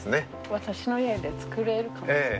私の家で作れるかもしれない。